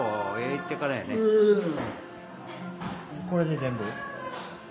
これで全部？